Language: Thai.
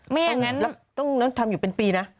อย่างนั้นแล้วทำอยู่เป็นปีนะ